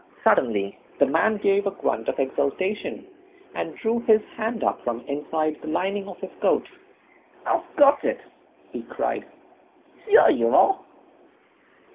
Suddenly the man gave a grunt of exultation, and drew his hand up from inside the lining of his coat. "I've got it," he cried. "Here you are!"